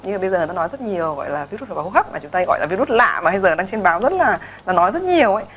như bây giờ nó nói rất nhiều gọi là virus hô hấp mà chúng ta gọi là virus lạ mà bây giờ đang trên báo rất là nói rất nhiều ấy